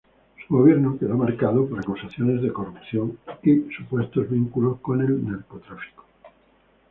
Su gobierno quedó marcado por acusaciones de corrupción y supuestos vínculos con el narcotráfico.